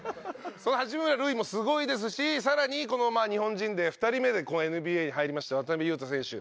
その八村塁もすごいですし更に日本人で２人目でＮＢＡに入りました渡邊雄太選手